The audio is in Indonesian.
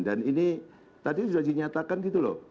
dan ini tadi sudah dinyatakan gitu loh